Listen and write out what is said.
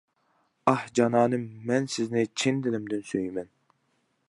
ئاھ جانانىم مەن سىزنى، چىن دىلىمدىن سۆيىمەن.